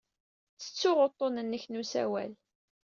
Ttettuɣ uḍḍun-nnek n usawal.